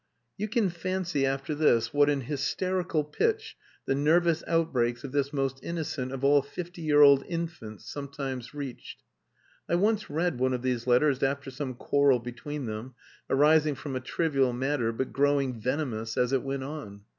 You can fancy after this what an hysterical pitch the nervous outbreaks of this most innocent of all fifty year old infants sometimes reached! I once read one of these letters after some quarrel between them, arising from a trivial matter, but growing venomous as it went on.